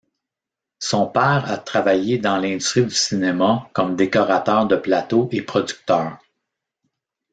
Son père a travaillé dans l'industrie du cinéma comme décorateur de plateau et producteur.